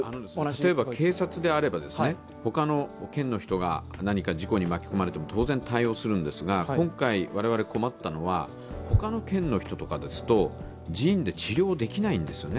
例えば警察であれば、他の県の人が何か事故に巻き込まれても当然対応するんですが、今回、我々困ったのは、他の県の人とかですと自院で治療できないんですよね。